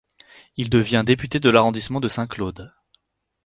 Il devient député de l'arrondissement de Saint-Claude.